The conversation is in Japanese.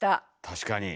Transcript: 確かに。